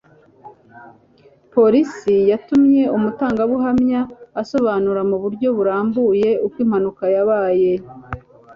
polisi yatumye umutangabuhamya asobanura mu buryo burambuye uko impanuka yabaye